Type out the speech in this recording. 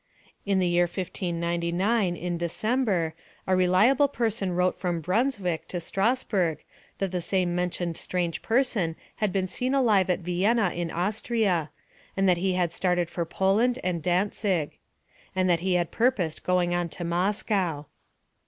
In the year 1599, in December, a reliable person wrote from Brunswick to Strasburg that the same mentioned strange person had been seen alive at Vienna in Austria, and that he had started for Poland and Dantzig; and that he purposed going on to Moscow.